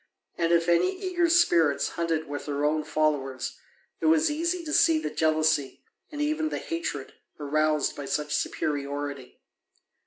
And if any eager spirits hunted with their own followers it was easy to see the jealousy, and even the hatred, aroused by such superiority.